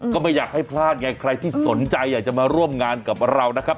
ก็ไม่อยากให้พลาดไงใครที่สนใจอยากจะมาร่วมงานกับเรานะครับ